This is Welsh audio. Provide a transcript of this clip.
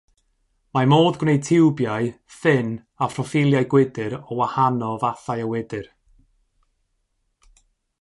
Mae modd gwneud tiwbiau, ffyn a phroffiliau gwydr o wahano fathau o wydr.